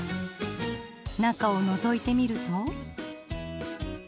中をのぞいてみると。